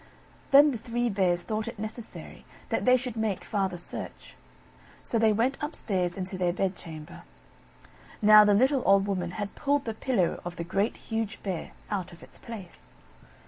Then the Three Bears thought it necessary that they should make farther search; so they went upstairs into their bedchamber. Now the little old Woman had pulled the pillow of the Great, Huge Bear, out of its place.